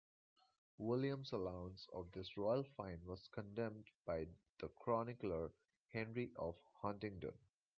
William's allowance of this royal fine was condemned by the chronicler Henry of Huntingdon.